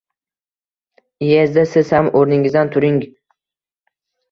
Еezda siz ham o‘rningizdan turingю